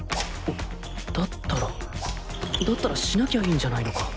だったらだったらしなきゃいいんじゃないのか？